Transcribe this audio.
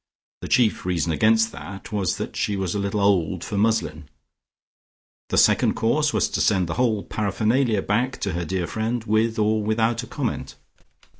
The chief reason against that was that she was a little old for muslin. The second course was to send the whole paraphernalia back to her dear friend, with or without a comment.